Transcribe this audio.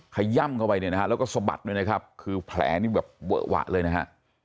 ขย่ำเข้าไปเนี่ยนะฮะแล้วก็สะบัดด้วยนะครับคือแผลนี่แบบเวอะหวะเลยนะฮะ